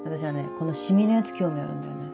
このシミのやつ興味あるんだよね。